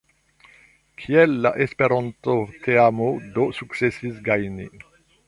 Kiel la Esperanto-teamo do sukcesis gajni?